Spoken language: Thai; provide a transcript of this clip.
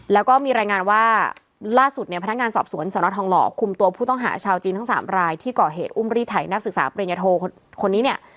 แล้วก็มีรายงานว่าล่าสุดเนี่ยพนักงานสอบสวนสนทองหล่อคุมตัวผู้ต้องหาชาวจีนทั้ง๓รายที่ก่อเหตุอุ้มรีดไถนักศึกษาปริญญโทคนนี้เนี่ย